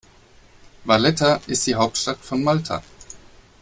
Valletta ist die Hauptstadt von Malta.